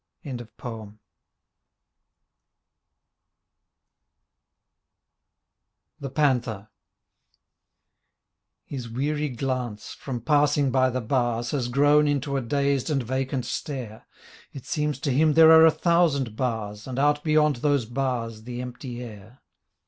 43 THE PANTHER His weary glance, from passing by the bars, Has grown into a dazed and vacant stare; It seems to him there are a thousand bars And out beyond those bars the empty air.